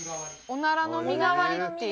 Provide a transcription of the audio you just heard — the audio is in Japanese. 「おならの身代わり」っていう。